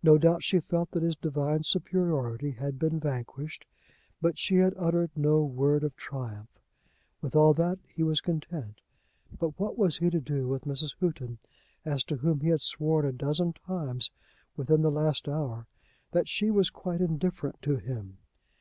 No doubt she felt that his divine superiority had been vanquished, but she had uttered no word of triumph. With all that he was content. But what was he to do with Mrs. Houghton, as to whom he had sworn a dozen times within the last hour that she was quite indifferent to him.